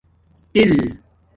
تَل